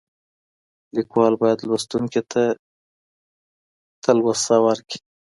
ليکوال بايد لوستونکي ته تسلس ورکړي.